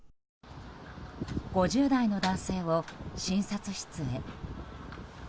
５０代の男性を診察室へ。